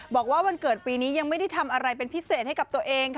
บอกว่าวันเกิดปีนี้ยังไม่ได้ทำอะไรเป็นพิเศษให้กับตัวเองค่ะ